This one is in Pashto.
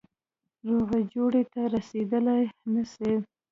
روغي جوړي ته رسېدلای نه سي.